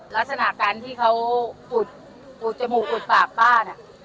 ลักษณะการที่เขาอุดจมูกอุดปากป้าน่ะ